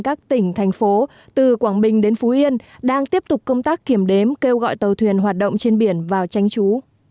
các tỉnh thành phố từ quảng bình đến phú yên đang tiếp tục công tác kiểm đếm kêu gọi tàu thuyền hoạt động trên biển vào tránh trú